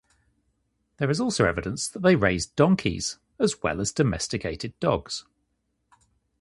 There is also evidence that they raised donkeys, as well as domesticated dogs.